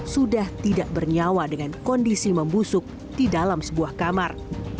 sudah tidak bernyawa dengan kondisi membusuk di dalam sebuah kamar